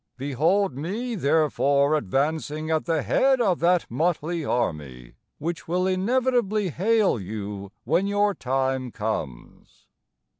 Behold me, therefore, advancing At the head of that motley army Which will inevitably hail you When your time comes.